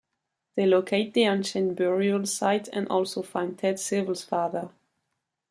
They locate the ancient burial site and also find Ted Sewell's father.